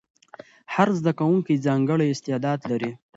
هر زده کوونکی ځانګړی استعداد لري.